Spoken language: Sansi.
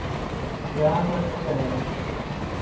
ٻیاں کا سڈؔ ہے